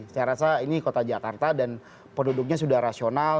saya rasa ini kota jakarta dan penduduknya sudah rasional